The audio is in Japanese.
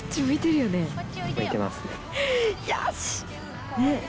よし！